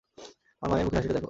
আমার মায়ের মুখের হাসিটা দেখো।